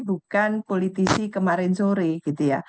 bukan politisi kemarin sore gitu ya